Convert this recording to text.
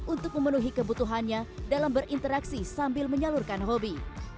untuk memenuhi kebutuhannya dalam berinteraksi sambil menyalurkan hobi